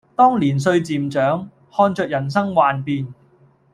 當年歲漸長，看著人生幻變